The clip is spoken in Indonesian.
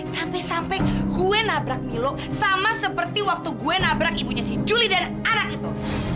sampai sampai gue nabrak milo sama seperti waktu gue nabrak ibunya si julie dan anak itu